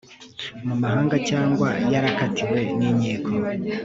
mu mahanga cyangwa yarakatiwe n inkiko